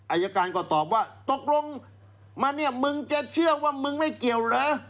อายการก็ตอบว่าตกลงมาเนี่ยมึงจะเชื่อว่ามึงไม่เกี่ยวเหรอ